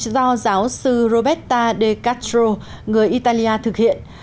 do giáo sư robertta de castro người italia thực hiện